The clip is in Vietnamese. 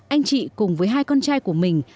anh chị cùng với hai con trai của mình